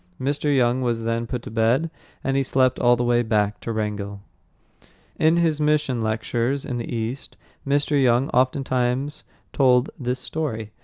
Mr. Young was then put to bed, and he slept all the way back to Wrangell. In his mission lectures in the East, Mr. Young oftentimes told this story.